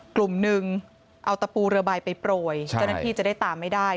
กลุ่มหนึ่งเอาตะปูเรือใบไปโปรยเจ้าหน้าที่จะได้ตามไม่ได้